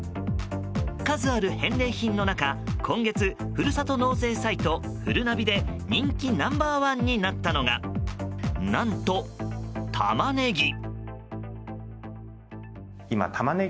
数ある返礼品の中、今月ふるさと納税サイトふるなびで人気ナンバー１になったのが何と、タマネギ。